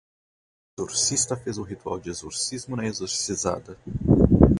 O exorcista fez o ritual de exorcismo na exorcizada